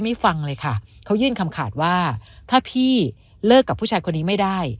ฟังเลยค่ะเขายื่นคำขาดว่าถ้าพี่เลิกกับผู้ชายคนนี้ไม่ได้